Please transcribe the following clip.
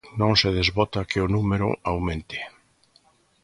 Non se desbota que o número aumente.